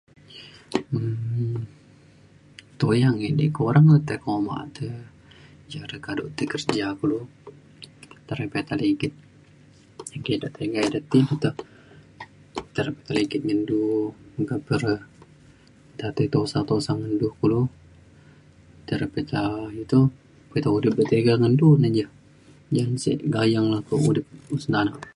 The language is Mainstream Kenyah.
um toyang ek dik kurang le te' koma' te ia re kaduk tai kerja kulu tai re peta ligit engke dek tiga ida ti pe to tai re peta ligit ngan du meka pe re ida tai tosa tosa ngan du kulu tai re peta iu to peta udip dek tega ngan du neja ja sik gayeng le kek udip ke usun tanak.